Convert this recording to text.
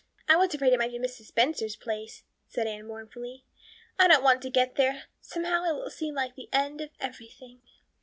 "I was afraid it might be Mrs. Spencer's place," said Anne mournfully. "I don't want to get there. Somehow, it will seem like the end of everything."